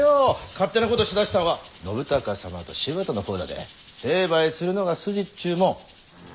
勝手なことしだしたんは信孝様と柴田の方だで成敗するのが筋っちゅうもん。